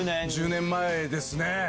１０年前ですね。